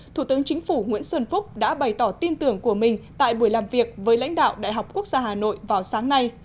thủ tướng chính phủ nguyễn xuân phúc đã bày tỏ tin tưởng của mình tại buổi làm việc với lãnh đạo đại học quốc gia hà nội vào sáng nay